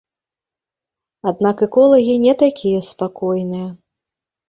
Аднак эколагі не такія спакойныя.